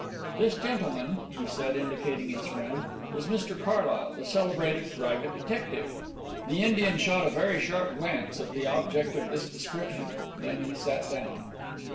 "This gentleman," he said, indicating his friend, "is Mr Carlyle, the celebrated private detective." The Indian shot a very sharp glance at the object of this description. Then he sat down.